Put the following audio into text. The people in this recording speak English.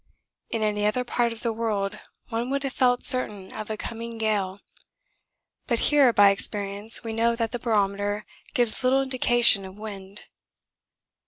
In any other part of the world one would have felt certain of a coming gale. But here by experience we know that the barometer gives little indication of wind.